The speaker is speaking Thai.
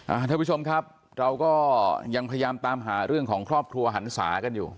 ท่านผู้ชมครับเราก็ยังพยายามตามหาเรื่องของครอบครัวหันศากันอยู่